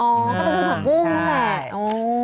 อ๋อก็เป็นผักผักบุ้งน่ะแหละ